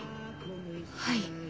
はい。